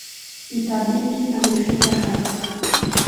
Itabidi amefika haraka.